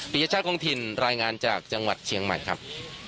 ปริญญาชาติกองทินรายงานจากจังหวัดเชียงใหม่ครับ